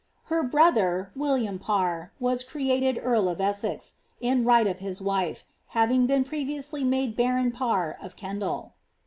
Her brother William Parr, d earl of Essex,^ in right of his wife, having been previously 1 Parr of Kendal.